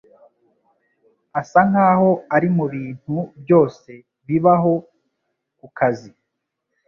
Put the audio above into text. Asa nkaho ari mubintu byose bibaho kukazi